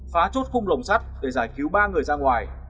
phá chốt khung lồng sắt để giải cứu ba người ra ngoài